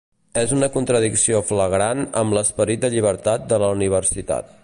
És una contradicció flagrant amb l’esperit de llibertat de la universitat.